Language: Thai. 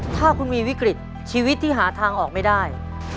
ถ้าคุณมีวิกฤตชีวิตที่หาทางออกไม่ได้